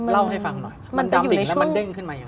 เล่าให้ฟังหน่อยมันจำติดแล้วมันเด้งขึ้นมาอยู่